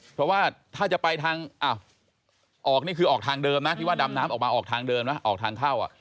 เพราะว่าถ้าจะไปทางออกนี่คือออกทางเดิมนะที่ว่าดำน้ำออกมาออกทางเดินไหมออกทางเข้า